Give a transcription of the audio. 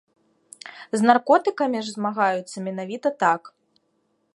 З наркотыкамі ж змагаюцца менавіта так.